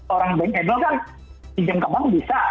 orang bankable kan pinjam ke uang bisa